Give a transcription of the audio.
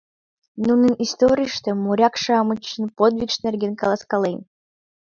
Нунын историйыштым, моряк-шамычын подвигышт нерген каласкален.